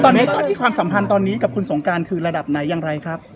ตอนนี้ความสัมพันธ์ตอนนี้กับคุณสงการคือระดับไหนอย่างไรครับ